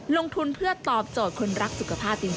ลงทุนเพื่อตอบโจทย์คนรักสุขภาพจริง